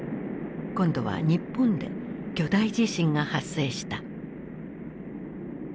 今度は日本で巨大地震が発生した。